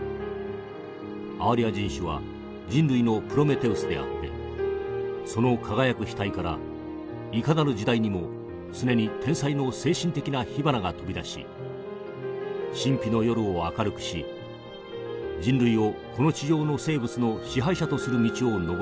アーリア人種は人類のプロメテウスであってその輝く額からいかなる時代にも常に天才の精神的な火花が飛び出し神秘の夜を明るくし人類をこの地上の生物の支配者とする道を上らせた。